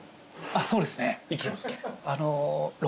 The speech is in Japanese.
あっそうですね。